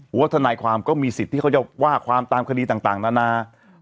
ว่าทนายความก็มีสิทธิ์ที่เขาจะว่าความตามคดีต่างนานา